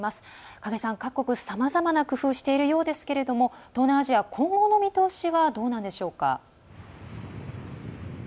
影さん、各国、さまざまな工夫をしているようですが東南アジア、今後の見通しはどうなんでしょうか？